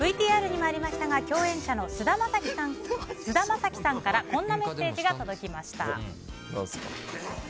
ＶＴＲでもありましたが共演者の菅田将暉さんからこんなメッセージが届きました。